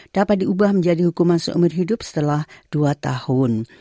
dapat diubah menjadi hukuman seumur hidup setelah dua tahun